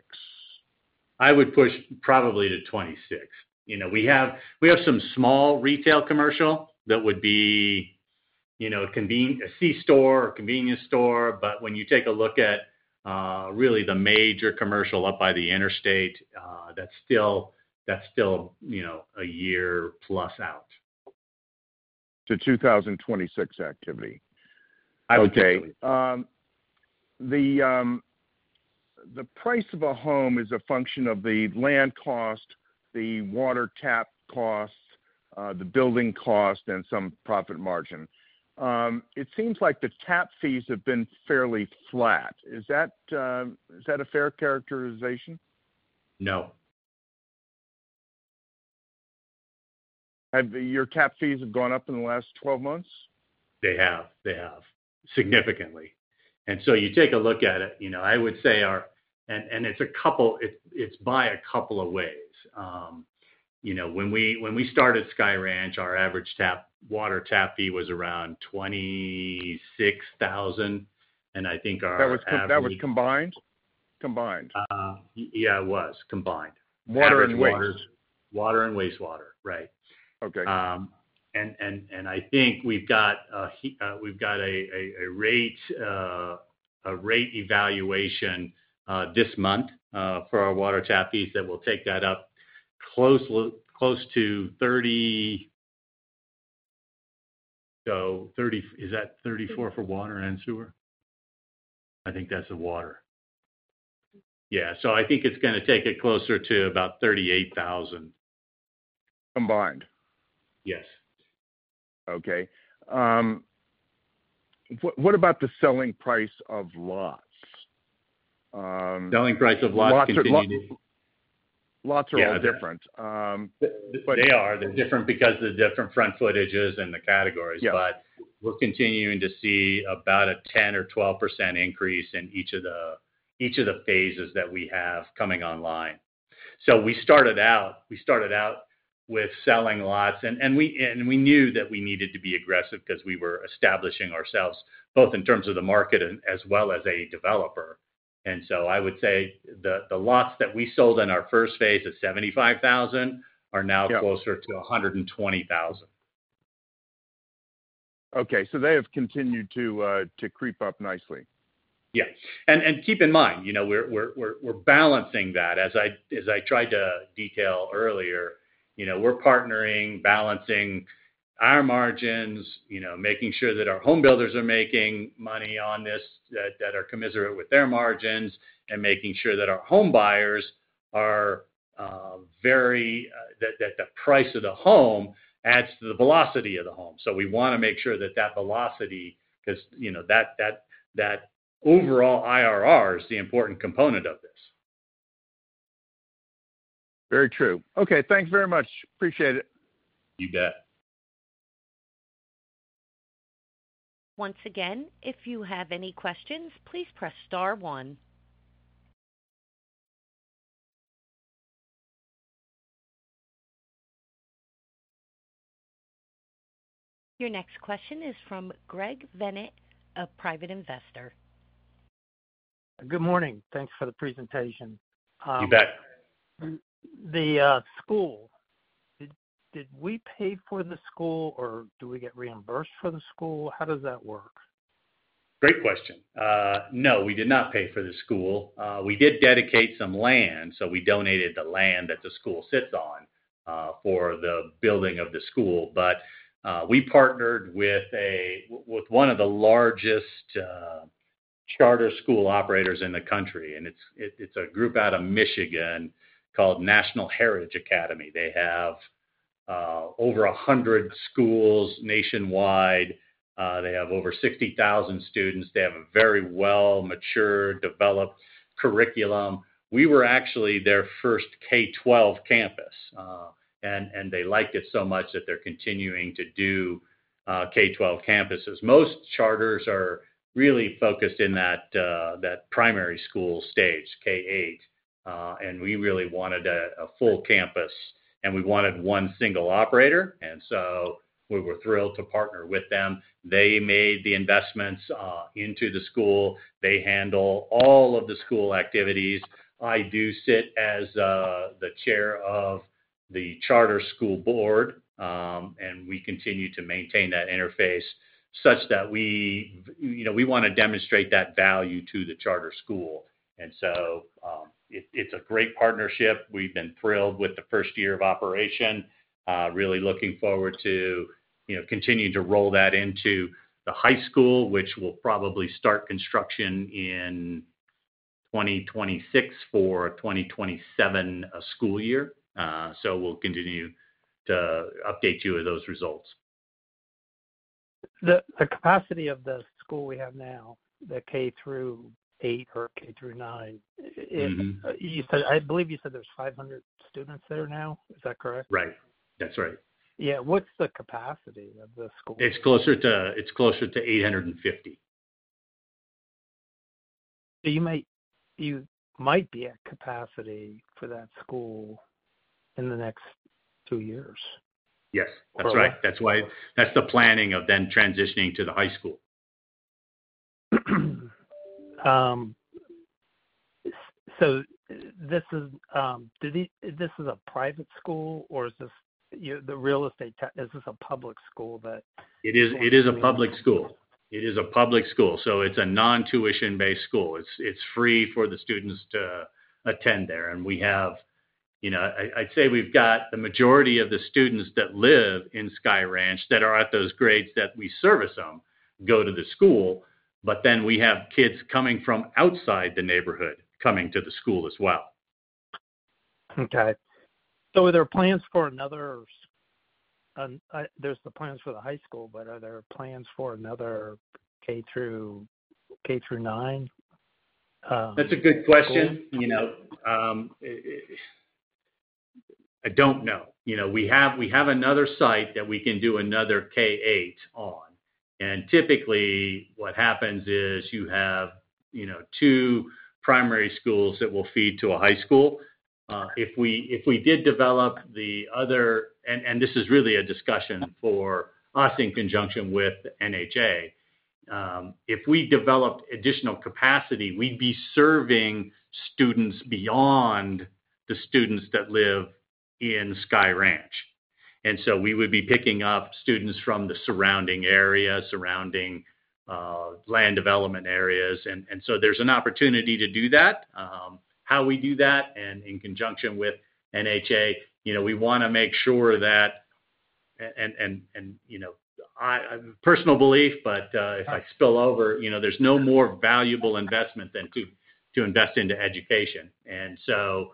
I would push probably to 2026. We have some small retail commercial that would be a C-store or convenience store. But when you take a look at really the major commercial up by the interstate, that's still a year plus out. So 2026 activity. Okay. The price of a home is a function of the land cost, the water tap cost, the building cost, and some profit margin. It seems like the tap fees have been fairly flat. Is that a fair characterization? No. Have your tap fees gone up in the last 12 months? They have. They have significantly. And so you take a look at it. I would say our—and it's by a couple of ways. When we started Sky Ranch, our average water tap fee was around $26,000. And I think our. That was combined? Combined. Yeah, it was combined. Water and waste. Water and wastewater. Right. Okay. And I think we've got a rate evaluation this month for our water tap fees that will take that up close to $30. So is that $34 for water and sewer? I think that's the water. Yeah. So I think it's going to take it closer to about $38,000. Combined. Yes. Okay. What about the selling price of lots? Selling price of lots continues. Lots are all different. They are. They're different because of the different front footages and the categories. But we're continuing to see about a 10% or 12% increase in each of the phases that we have coming online. So we started out with selling lots, and we knew that we needed to be aggressive because we were establishing ourselves both in terms of the market as well as a developer. And so I would say the lots that we sold in our first phase of $75,000 are now closer to $120,000. Okay. So they have continued to creep up nicely. Yeah. And keep in mind, we're balancing that. As I tried to detail earlier, we're partnering, balancing our margins, making sure that our home builders are making money on this that are commensurate with their margins, and making sure that our home buyers are very—that the price of the home adds to the velocity of the home. So we want to make sure that that velocity—because that overall IRR is the important component of this. Very true. Okay. Thanks very much. Appreciate it. You bet. Once again, if you have any questions, please press star one. Your next question is from Greg Vennett, a Private Investor. Good morning. Thanks for the presentation. You bet. The school, did we pay for the school, or do we get reimbursed for the school? How does that work? Great question. No, we did not pay for the school. We did dedicate some land. So we donated the land that the school sits on for the building of the school. But we partnered with one of the largest charter school operators in the country. It's a group out of Michigan called National Heritage Academies. They have over 100 schools nationwide. They have over 60,000 students. They have a very well-matured, developed curriculum. We were actually their first K-12 campus. They liked it so much that they're continuing to do K-12 campuses. Most charters are really focused in that primary school stage, K-8. We really wanted a full campus, and we wanted one single operator. So we were thrilled to partner with them. They made the investments into the school. They handle all of the school activities. I do sit as the chair of the charter school board, and we continue to maintain that interface such that we want to demonstrate that value to the charter school. And so it's a great partnership. We've been thrilled with the first year of operation, really looking forward to continuing to roll that into the high school, which will probably start construction in 2026 for 2027 school year. So we'll continue to update you with those results. The capacity of the school we have now, the K-8 or K-9, I believe you said there's 500 students there now. Is that correct? Right. That's right. Yeah. What's the capacity of the school? It's closer to 850. So you might be at capacity for that school in the next 2 years. Yes. That's right. That's the planning of then transitioning to the high school. So this is a private school, or is this the real estate? Is this a public school that? It is a public school. It is a public school. So it's a non-tuition-based school. It's free for the students to attend there. And I'd say we've got the majority of the students that live in Sky Ranch that are at those grades that we service them go to the school. But then we have kids coming from outside the neighborhood coming to the school as well. Okay. So are there plans for another? There's the plans for the high school, but are there plans for another K-9? That's a good question. I don't know. We have another site that we can do another K-8 on. Typically, what happens is you have two primary schools that will feed to a high school. If we did develop the other (and this is really a discussion for us in conjunction with NHA), if we developed additional capacity, we'd be serving students beyond the students that live in Sky Ranch. And so we would be picking up students from the surrounding area, surrounding land development areas. And so there's an opportunity to do that. How we do that, and in conjunction with NHA, we want to make sure that (and personal belief, but if I spill over) there's no more valuable investment than to invest into education. And so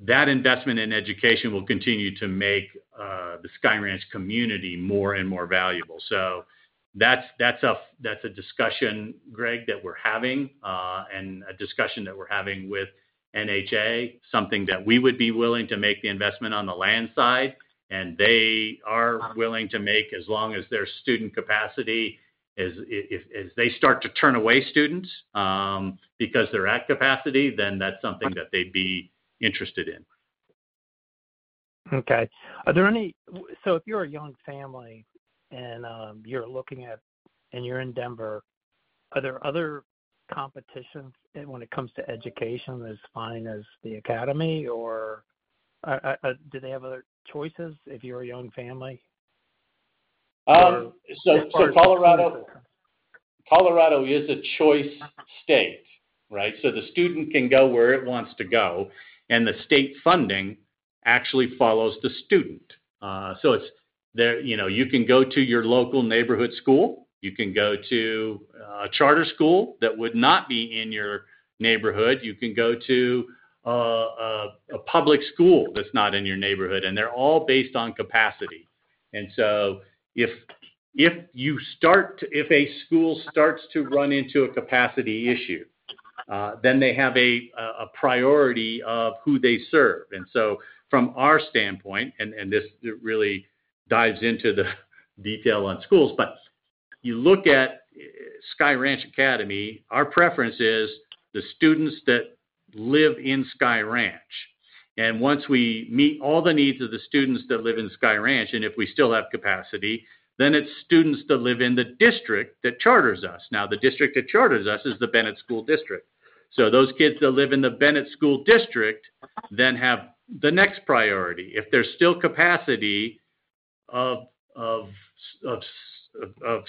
that investment in education will continue to make the Sky Ranch community more and more valuable. So that's a discussion, Greg, that we're having, and a discussion that we're having with NHA, something that we would be willing to make the investment on the land side. And they are willing to make as long as their student capacity, if they start to turn away students because they're at capacity, then that's something that they'd be interested in. Okay. So if you're a young family and you're looking at, and you're in Denver, are there other competitions when it comes to education as fine as the academy, or do they have other choices if you're a young family? So Colorado is a choice state, right? So the student can go where it wants to go, and the state funding actually follows the student. So you can go to your local neighborhood school. You can go to a charter school that would not be in your neighborhood. You can go to a public school that's not in your neighborhood. And they're all based on capacity. And so if you start - if a school starts to run into a capacity issue, then they have a priority of who they serve. And so from our standpoint - and this really dives into the detail on schools - but you look at Sky Ranch Academy, our preference is the students that live in Sky Ranch. And once we meet all the needs of the students that live in Sky Ranch, and if we still have capacity, then it's students that live in the district that charters us. Now, the district that charters us is the Bennett School District. So those kids that live in the Bennett School District then have the next priority. If there's still capacity of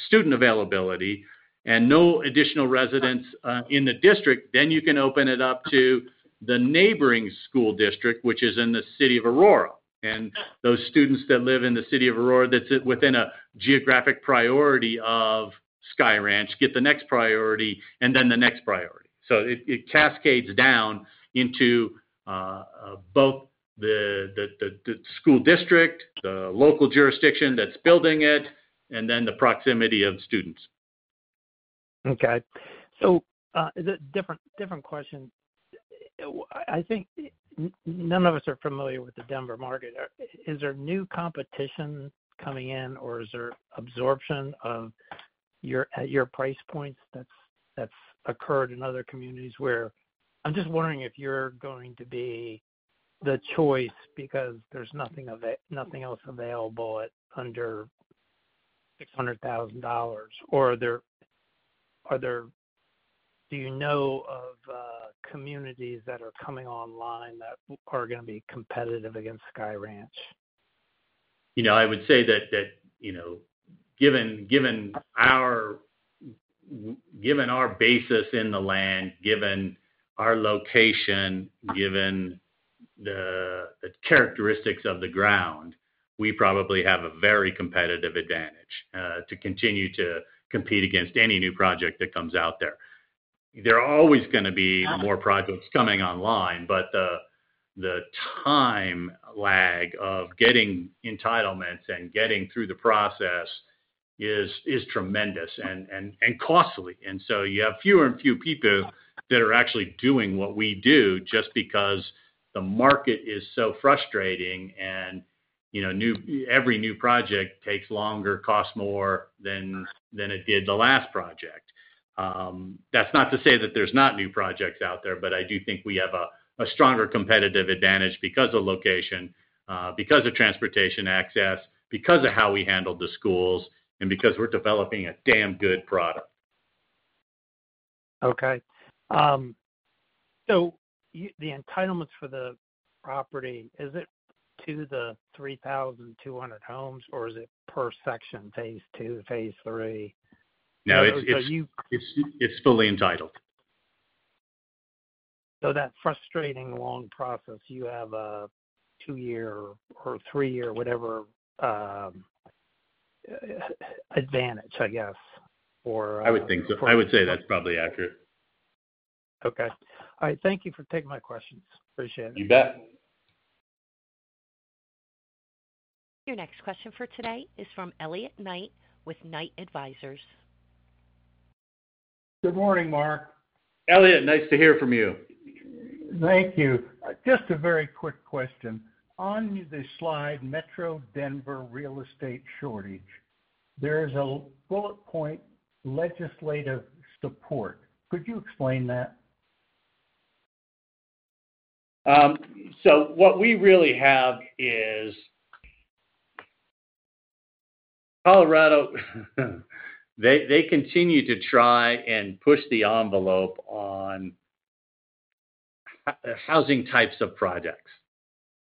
student availability and no additional residents in the district, then you can open it up to the neighboring school district, which is in the city of Aurora. And those students that live in the city of Aurora that's within a geographic priority of Sky Ranch get the next priority and then the next priority. So it cascades down into both the school district, the local jurisdiction that's building it, and then the proximity of students. Okay. So different question. I think none of us are familiar with the Denver market. Is there new competition coming in, or is there absorption at your price points that's occurred in other communities where I'm just wondering if you're going to be the choice because there's nothing else available under $600,000? Or do you know of communities that are coming online that are going to be competitive against Sky Ranch? I would say that given our basis in the land, given our location, given the characteristics of the ground, we probably have a very competitive advantage to continue to compete against any new project that comes out there. There are always going to be more projects coming online, but the time lag of getting entitlements and getting through the process is tremendous and costly. And so you have fewer and fewer people that are actually doing what we do just because the market is so frustrating, and every new project takes longer, costs more than it did the last project. That's not to say that there's not new projects out there, but I do think we have a stronger competitive advantage because of location, because of transportation access, because of how we handle the schools, and because we're developing a damn good product. Okay. So the entitlements for the property, is it to the 3,200 homes, or is it per section, phase 2, phase 3? No, it's fully entitled. So that frustrating long process, you have a 2-year or 3-year, whatever advantage, I guess, or? I would think so. I would say that's probably accurate. Okay. All right. Thank you for taking my questions. Appreciate it. You bet. Your next question for today is from Elliot Knight with Knight Advisors. Good morning, Mark. Elliot, nice to hear from you. Thank you. Just a very quick question. On the slide, Metro Denver real estate shortage, there is a bullet point legislative support. Could you explain that? So what we really have is Colorado, they continue to try and push the envelope on housing types of projects.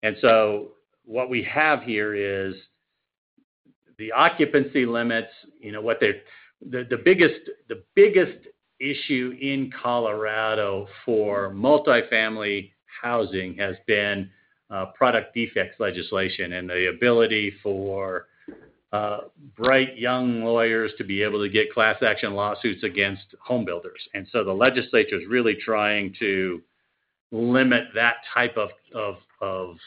And so what we have here is the occupancy limits. The biggest issue in Colorado for multifamily housing has been product defects legislation and the ability for bright young lawyers to be able to get class action lawsuits against home builders. And so the legislature is really trying to limit that type of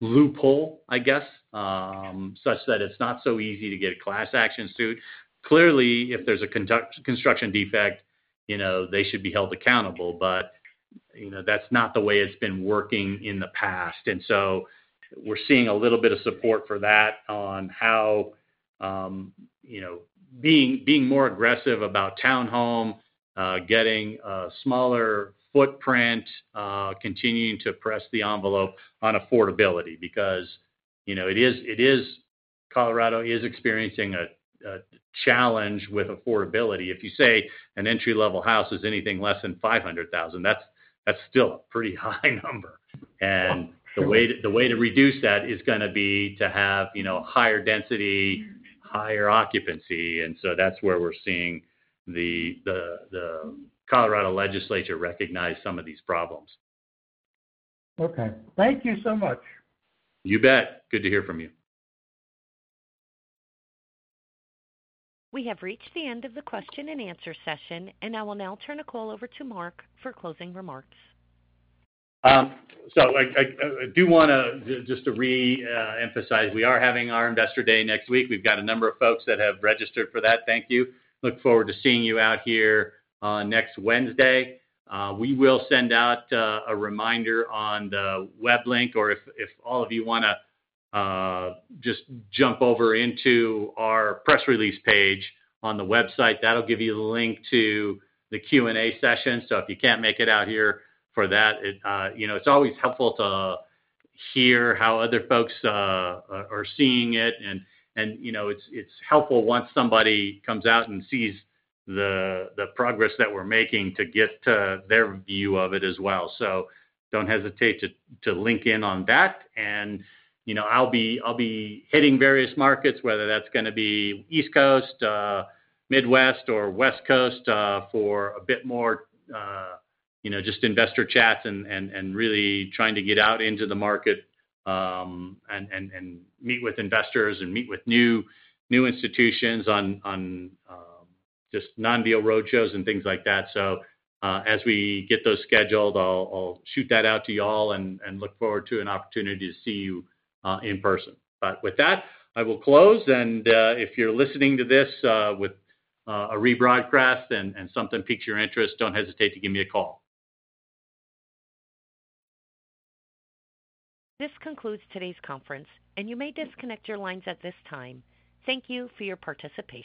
loophole, I guess, such that it's not so easy to get a class action suit. Clearly, if there's a construction defect, they should be held accountable. But that's not the way it's been working in the past. And so we're seeing a little bit of support for that on how being more aggressive about townhome, getting a smaller footprint, continuing to press the envelope on affordability because Colorado is experiencing a challenge with affordability. If you say an entry-level house is anything less than $500,000, that's still a pretty high number. And the way to reduce that is going to be to have higher density, higher occupancy. And so that's where we're seeing the Colorado legislature recognize some of these problems Okay. Thank you so much. You bet. Good to hear from you. We have reached the end of the question-and-answer session, and I will now turn the call over to Mark for closing remarks. So I do want to just re-emphasize, we are having our investor day next week. We've got a number of folks that have registered for that. Thank you. Look forward to seeing you out here next Wednesday. We will send out a reminder on the web link, or if all of you want to just jump over into our press release page on the website, that'll give you the link to the Q&A session. So if you can't make it out here for that, it's always helpful to hear how other folks are seeing it. And it's helpful once somebody comes out and sees the progress that we're making to get to their view of it as well. So don't hesitate to link in on that. And I'll be hitting various markets, whether that's going to be East Coast, Midwest, or West Coast for a bit more just investor chats and really trying to get out into the market and meet with investors and meet with new institutions on just non-deal roadshows and things like that. As we get those scheduled, I'll shoot that out to you all and look forward to an opportunity to see you in person. With that, I will close. If you're listening to this with a rebroadcast and something piques your interest, don't hesitate to give me a call. This concludes today's conference, and you may disconnect your lines at this time. Thank you for your participation.